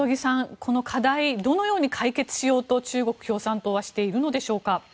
この課題どのように解決しようと中国共産党はしているのでしょうか。